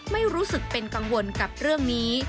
ไม่รู้สึกเป็นกังวลกับเรื่องนี้